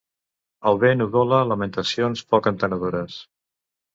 El vent udola lamentacions poc entenedores.